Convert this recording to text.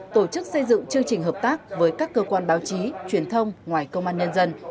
tổ chức xây dựng chương trình hợp tác với các cơ quan báo chí truyền thông ngoài công an nhân dân